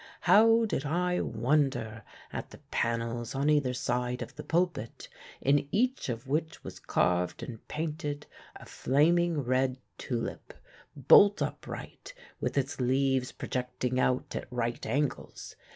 How did I wonder at the panels on either side of the pulpit, in each of which was carved and painted a flaming red tulip, bolt upright, with its leaves projecting out at right angles!